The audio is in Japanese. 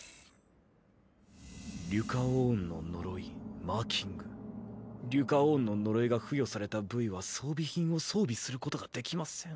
「リュカオーンの呪いマーキングリュカオーンの呪いが付与された部位は装備品を装備することができません」。